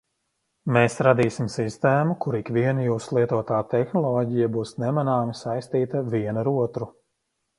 Mēs radīsim sistēmu, kur ikviena jūsu lietotā tehnoloģija būs nemanāmi saistīta viena ar otru.